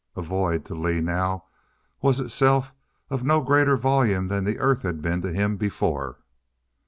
A void, to Lee now, was itself of no greater volume than the Earth had been to him before!